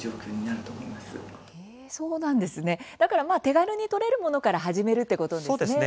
手軽にとれるものから始めるということですね。